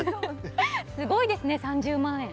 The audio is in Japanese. すごいですね、３０万円！